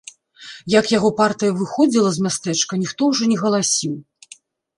Як яго партыя выходзіла з мястэчка, ніхто ўжо не галасіў.